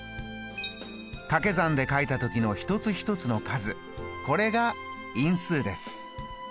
かけ算で書いた時の一つ一つの数これが因数です。